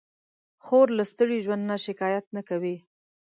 خور له ستړي ژوند نه شکایت نه کوي.